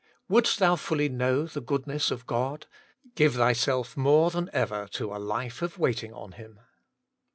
Wouldst thou fully know the goodness of God, give thy self more than ever to a life of waiting on Him.